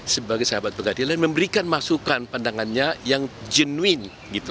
sebagai sahabat pengadilan memberikan masukan pandangannya yang genuin